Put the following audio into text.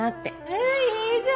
えいいじゃん！